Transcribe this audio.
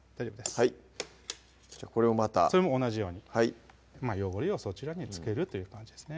はいこれをまたそれも同じように汚れをそちらに付けるという感じですね